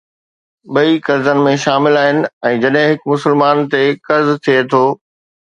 ٻئي فرضن ۾ شامل آهن ۽ جڏهن هڪ مسلمان تي فرض ٿئي ٿو.